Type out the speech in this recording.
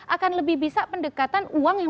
akan lebih bisa pendekatan uang yang